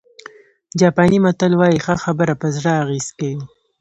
جاپاني متل وایي ښه خبره په زړه اغېزه کوي.